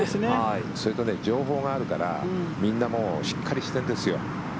それと情報があるからみんなしっかりしているんです。